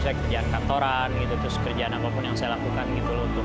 saya kerjaan kantoran gitu terus kerjaan apapun yang saya lakukan gitu loh